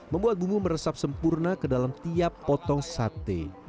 membuat bumbu meresap sempurna ke dalam tiap potongan